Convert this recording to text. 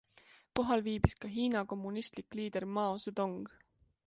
Kohal viibis ka Hiina kommunistlik liider Mao Zedong.